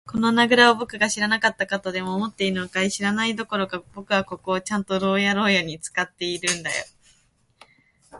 この穴ぐらをぼくが知らなかったとでも思っているのかい。知らないどころか、ぼくはここをちゃんと牢屋ろうやに使っていたんだよ。